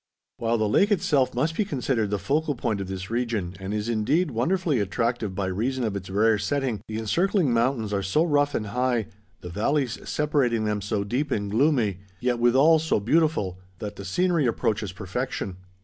While the lake itself must be considered the focal point of this region, and is indeed wonderfully attractive by reason of its rare setting, the encircling mountains are so rough and high, the valleys separating them so deep and gloomy, yet withal so beautiful, that the scenery approaches perfection.